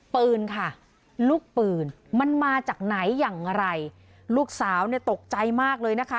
ปืนค่ะลูกปืนมันมาจากไหนอย่างไรลูกสาวเนี่ยตกใจมากเลยนะคะ